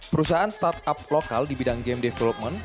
perusahaan startup lokal di bidang game development